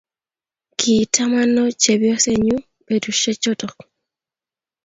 Kie tamano chepyosenyu petushek chotok